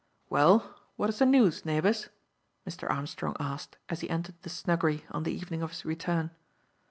"Well, what is the news, neighbours?" Mr. Armstrong asked, as he entered the snuggery on the evening of his return.